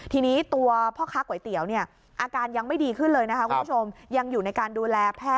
ทีนี้ตัวพ่อค้าก๋วยเตี๋ยวอาการยังไม่ดีขึ้นเลยนะครับคุณผู้ชม